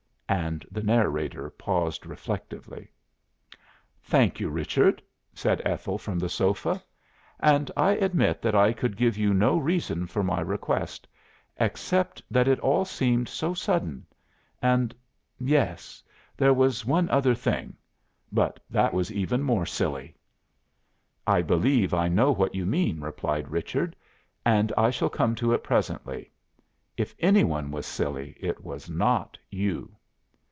And the narrator paused reflectively. "Thank you, Richard," said Ethel from the sofa. "And I admit that I could give you no reason for my request, except that it all seemed so sudden. And yes there was one other thing. But that was even more silly." "I believe I know what you mean," replied Richard, "and I shall come to it presently. If any one was silly, it was not you."